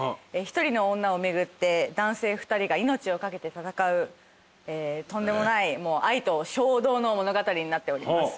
１人の女を巡って男性２人が命を懸けて戦うとんでもない愛と衝動の物語になっております。